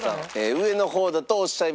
上の方だとおっしゃいました。